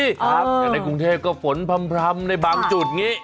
แต่ไหนกรุงเทพก็ฝนพัมธ์ในบางจุดนี้